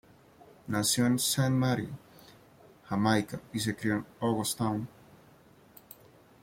Nació en Saint Mary, Jamaica, y se crio en August Town.